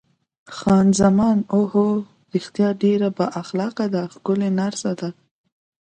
خان زمان: اوه هو، رښتیا ډېره با اخلاقه ده، ښکلې نرسه ده.